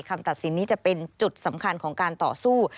คำตัดสินนี้จะเป็นจุดสำคัญของการต่อสู้